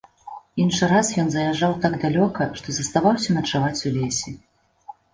Іншы раз ён заязджаў так далёка, што заставаўся начаваць у лесе.